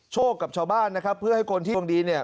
กับชาวบ้านนะครับเพื่อให้คนที่ดวงดีเนี่ย